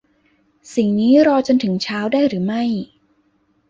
สิ่งนี้รอจนถึงเช้าได้หรือไม่